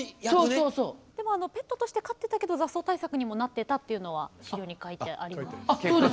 ペットとして飼ってたけど雑草対策にもなってたっていうのは資料に書いてあります。